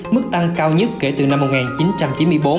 mức tăng cao nhất kể từ năm một nghìn chín trăm chín mươi bốn